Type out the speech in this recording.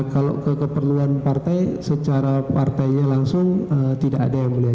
kalau ke keperluan partai secara partainya langsung tidak ada yang mulia